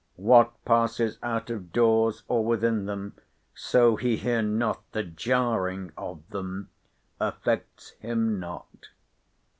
What passes out of doors, or within them, so he hear not the jarring of them, affects him not.